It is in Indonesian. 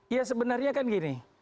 ya sebenarnya kan gini